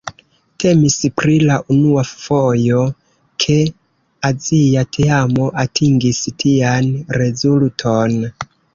Temis pri la unua fojo ke azia teamo atingis tian rezulton.